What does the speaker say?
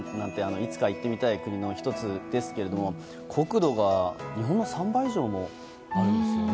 いつか行ってみたい国の１つですけど国土が日本の３倍以上もあるんですよね。